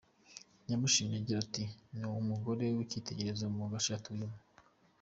Yamushimye agira ati “Ni umugore w’ icyitegererezo mu gace atuyemo.